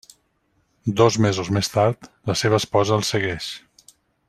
Dos mesos més tard, la seva esposa el segueix.